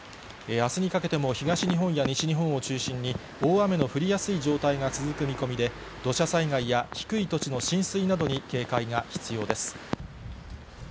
あすにかけても東日本や西日本を中心に、大雨の降りやすい状態が続く見込みで、土砂災害や低い土地の浸水などに警戒が必要です。